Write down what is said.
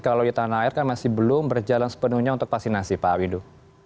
kalau di tanah air kan masih belum berjalan sepenuhnya untuk vaksinasi pak windu